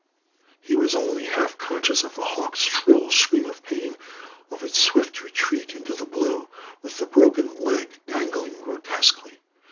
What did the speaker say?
He was only half conscious of the hawk's shrill scream of pain, of its swift retreat into the blue, with the broken leg dangling grotesquely.